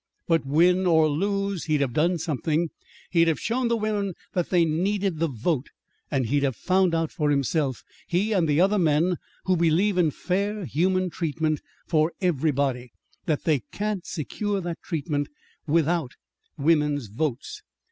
But, win or lose, he'd have done something. He'd have shown the women that they needed the vote, and he'd have found out for himself he and the other men who believe in fair human treatment for everybody that they can't secure that treatment without women's votes.